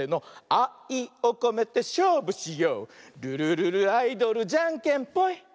「あいをこめてしょうぶしよう」「ルルルルアイドルじゃんけんぽい！」